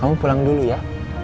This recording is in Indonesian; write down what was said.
kamu pulang dulu ya